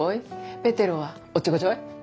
ペテロはおっちょこちょい。